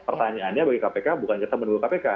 pertanyaannya bagi kpk bukan kita menunggu kpk